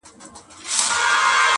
په زارۍ به یې خیرات غوښت له څښتنه،